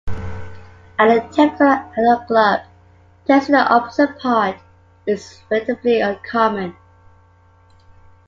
At the typical adult club, dancing the "opposite part" is relatively uncommon.